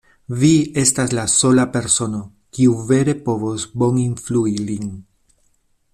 Vi estas la sola persono, kiu vere povos boninflui lin.